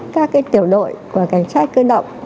các tiểu đội của cảnh sát cơ động